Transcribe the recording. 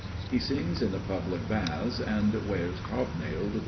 He sings in the public baths and wears hob nailed boots.